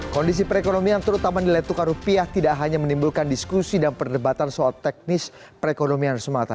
kondisi perekonomian terutama nilai tukar rupiah tidak hanya menimbulkan diskusi dan perdebatan soal teknis perekonomian semata